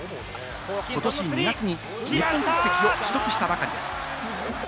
ことし２月に日本国籍を取得したばかりです。